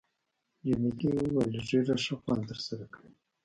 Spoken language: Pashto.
جميلې وويل:، ږیره ښه خوند در سره کوي.